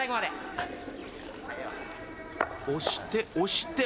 押して、押して。